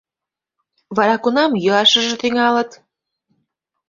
Вара кунам йӱашыже тӱҥалыт?